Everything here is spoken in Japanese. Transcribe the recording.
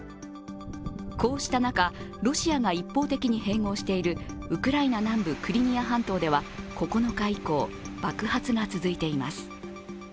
こうした中、ロシアが一方的に併合しているウクライナ南部クリミア半島では９日以降、爆発が続いています。